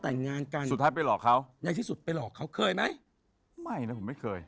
ไม่แน่ะผมไม่เคย